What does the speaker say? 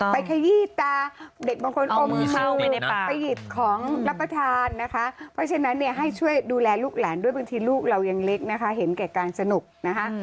ขยี้ตาเด็กบางคนเอามือเข้าไปในปากไปหยิบของรับประทานนะคะเพราะฉะนั้นเนี่ยให้ช่วยดูแลลูกหลานด้วยบางทีลูกเรายังเล็กนะคะเห็นแก่การสนุกนะคะ